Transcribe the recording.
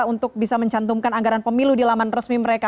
untuk bisa mencantumkan anggaran pemilu di laman resmi mereka